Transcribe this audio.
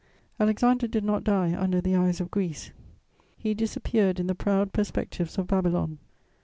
Alexander did not die under the eyes of Greece; he disappeared in the proud perspectives of Babylon.